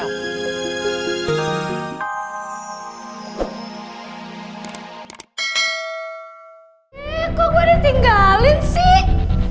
eh kok gue udah tinggalin sih